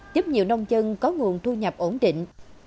giúp nhiều nông dân có nguồn thu nhập ổn định